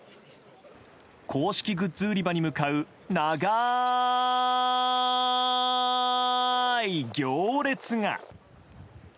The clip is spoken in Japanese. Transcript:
公式グッズ売り場に向かう長い行列が。